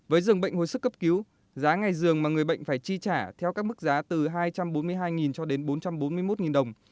với dường bệnh hồi sức cấp cứu giá ngày dường mà người bệnh phải chi trả theo các mức giá từ hai trăm bốn mươi hai cho đến bốn trăm bốn mươi một đồng